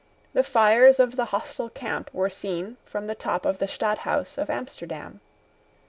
The fires of the hostile camp were seen from the top of the Stadthouse of Amsterdam.